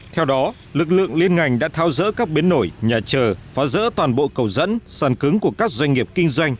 theo đó lực lượng liên ngành đã tháo rỡ các bến nổi nhà trở phá rỡ toàn bộ cầu dẫn sàn cứng của các doanh nghiệp kinh doanh